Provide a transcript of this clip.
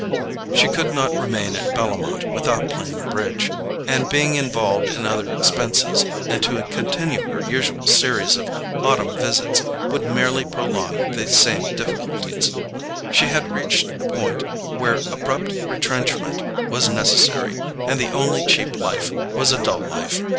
She could not remain at Bellomont without playing bridge, and being involved in other expenses; and to continue her usual series of autumn visits would merely prolong the same difficulties. She had reached a point where abrupt retrenchment was necessary, and the only cheap life was a dull life.